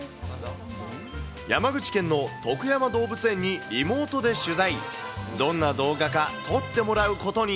山口県の徳山動物園に、リモートで取材。